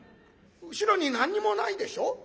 後ろに何にもないでしょ？